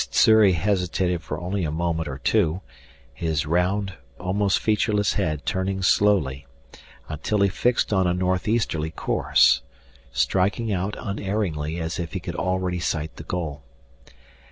Sssuri hesitated for only a moment or two, his round, almost featureless head turning slowly, until he fixed on a northeasterly course striking out unerringly as if he could already sight the goal.